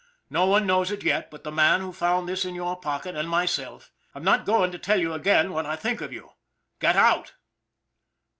No one knows it yet but the man who found this in your pocket and myself. I'm not going to tell you again what I think of you get out!